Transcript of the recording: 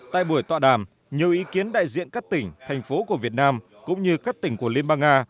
tại buổi tọa đàm nhiều ý kiến đại diện các tỉnh thành phố của việt nam cũng như các tỉnh của liên bang nga